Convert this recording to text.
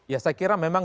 ya saya kira memang